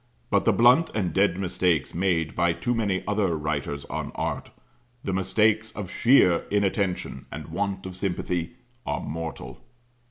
But the blunt and dead mistakes made by too many other writers on art the mistakes of sheer inattention, and want of sympathy are mortal.